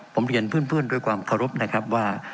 ผมเรียนเพื่อนด้วยความเคารพนะครับว่า